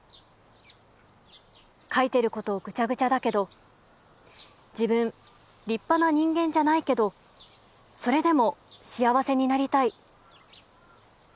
書いてることぐちゃぐちゃだけど自分立派な人間じゃないけどそれでも幸せになりたい」。